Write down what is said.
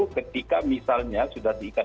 ketika misalnya sudah diikat